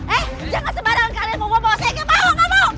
eh jangan sembarangan kalian mau bawa saya ke mana nggak mau